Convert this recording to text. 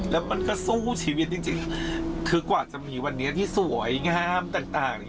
แล้วมันก็สู้ชีวิตจริงจริงคือกว่าจะมีวันนี้ที่สวยงามต่างอย่างเงี้ย